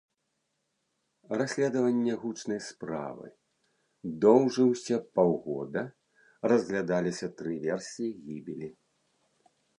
Расследаванне гучнай справы доўжыўся паўгода, разглядаліся тры версіі гібелі.